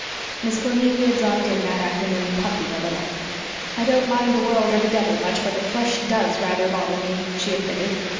Miss Cornelia dropped in that afternoon, puffing a little. "I don't mind the world or the devil much, but the flesh DOES rather bother me," she admitted.